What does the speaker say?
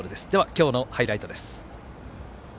今日のハイライトです。